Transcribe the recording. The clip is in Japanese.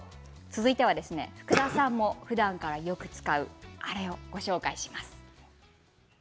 福田さんもふだんからよく使うあれをご紹介します。